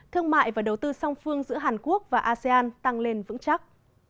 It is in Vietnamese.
thương mại và đầu tư song phương giữa hàn quốc và asean tăng lên vững chắc